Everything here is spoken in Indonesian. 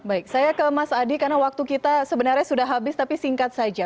baik saya ke mas adi karena waktu kita sebenarnya sudah habis tapi singkat saja